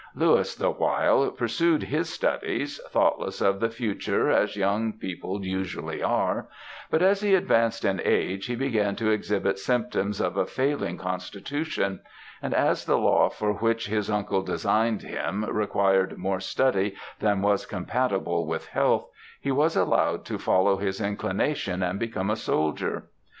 Louis, the while, pursued his studies, thoughtless of the future as young people usually are; but as he advanced in age, he began to exhibit symptoms of a failing constitution, and as the law for which his uncle designed him required more study than was compatible with health, he was allowed to follow his inclination and become a soldier.